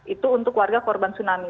itu untuk warga korban tsunami